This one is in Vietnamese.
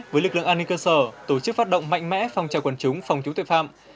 với lực lượng an ninh cơ sở tổ chức phát động mạnh mẽ phong trào quần chúng phòng chống tội phạm